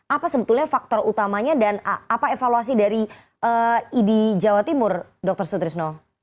apa sebetulnya faktor utamanya dan apa evaluasi dari idi jawa timur dr sutrisno